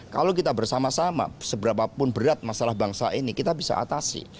kalau kita bersama sama seberapapun berat masalah bangsa ini kita bisa atasi